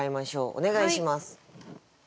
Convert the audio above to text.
お願いします。